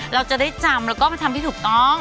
เราจะได้จำแล้วก็ไปทำให้ถูกต้อง